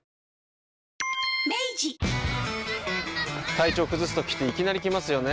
体調崩すときっていきなり来ますよね。